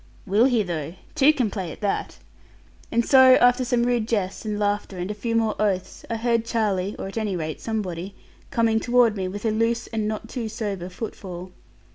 'Will he though? Two can play at that.' And so after some rude jests, and laughter, and a few more oaths, I heard Charlie (or at any rate somebody) coming toward me, with a loose and not too sober footfall.